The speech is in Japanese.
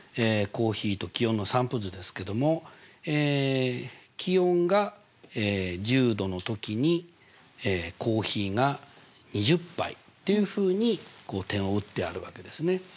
コーヒーと気温の散布図ですけども気温が１０℃の時にコーヒーが２０杯っていうふうにこう点を打ってあるわけですね。